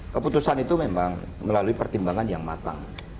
keputusan itu memang melalui pertimbangan yang matang